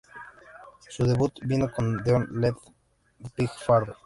Su debut vino con "Leon the Pig Farmer".